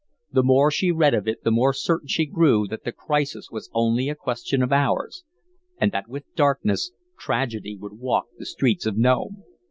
The more she read of it the more certain she grew that the crisis was only a question of hours, and that with darkness, Tragedy would walk the streets of Nome.